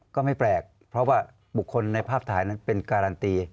ก็ไม่แปลกเพราะว่าบุคคลในภาพถ่ายนั้นเป็นการันตี